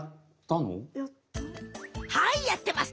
はいやってます！